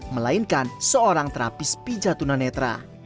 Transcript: melainkan seorang terapis pijatuna netra